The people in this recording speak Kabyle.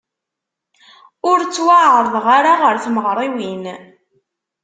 Ur ttwaεerḍeɣ ara ɣer tmeɣriwin.